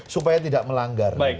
supaya tidak melanggar